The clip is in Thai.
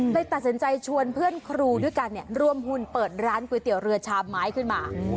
เลยตัดสินใจชวนเพื่อนครูด้วยกันร่วมหุ่นเปิดร้านก๋วยเตี๋ยวเรือชามไม้ขึ้นมา